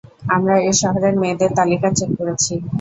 আমরা এশহরের মেয়েদের তালিকা চেক করেছি।